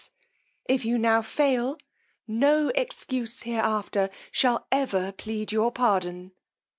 _ If you now fail, no excuse hereafter shall ever plead your pardon.'